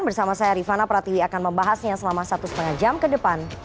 bersama saya rifana pratiwi akan membahasnya selama satu lima jam ke depan